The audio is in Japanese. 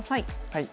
はい。